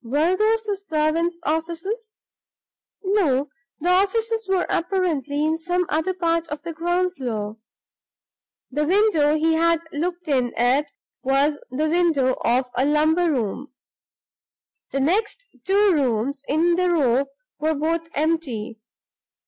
Were these the servants' offices? No; the offices were apparently in some other part of the ground floor; the window he had looked in at was the window of a lumber room. The next two rooms in the row were both empty.